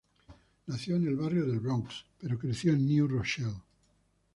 Nació en el barrio del Bronx pero creció en New Rochelle.